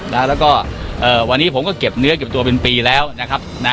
แล้วก็เอ่อวันนี้ผมก็เก็บเนื้อเก็บตัวเป็นปีแล้วนะครับนะ